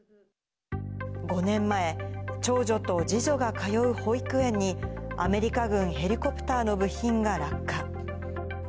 ５年前、長女と次女が通う保育園に、アメリカ軍ヘリコプターの部品が落下。